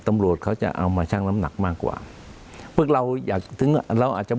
ตำรวจเขาจะเอามาชั่งน้ำหนักมากกว่าพวกเราอยากถึงเราอาจจะ